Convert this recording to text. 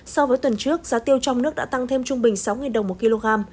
so với tuần trước giá tiêu trong nước đã tăng thêm trung bình sáu đồng một kg